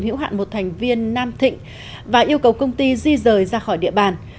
hữu hạn một thành viên nam thịnh và yêu cầu công ty di rời ra khỏi địa bàn